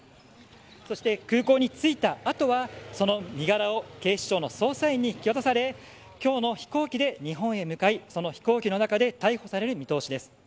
そして空港に着いた後はその身柄を警視庁の捜査員に引き渡され今日の飛行機で日本へ向かいその飛行機の中で逮捕される見通しです。